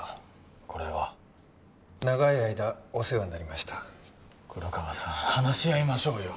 これは長い間お世話になりました黒川さん話し合いましょうよ